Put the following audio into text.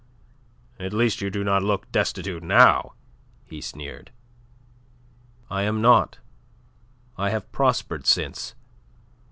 "At least you do not look destitute now," he sneered. "I am not. I have prospered since.